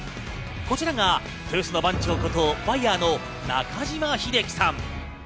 こちらが豊洲の番長ことバイヤーの中島英樹さん。